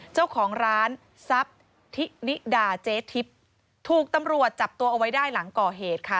เจ้าของร้านทรัพย์ทินิดาเจ๊ทิพย์ถูกตำรวจจับตัวเอาไว้ได้หลังก่อเหตุค่ะ